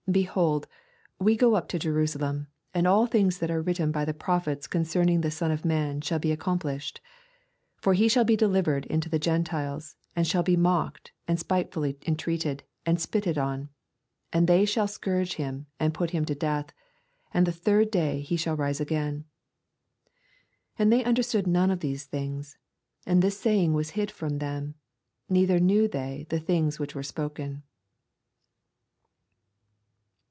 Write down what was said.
Behold, we go up to Jerusalem, and uU things that are written by the prophets oon cerning the Son of man shall be ac complished. 32 For he shall be delivered unto the Gentiles, and shall be mocked, and spitefully entreated, and spitted on : 33 And they shall scourge him. and Eut him to death ; and the third day e shall rise again. 34 And they understood none of these things : and this saying was hid from them, neither knew they the things which were spoken.